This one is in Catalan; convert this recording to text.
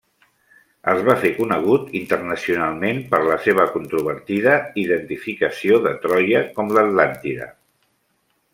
Es va fer conegut internacionalment per la seva controvertida identificació de Troia com l'Atlàntida.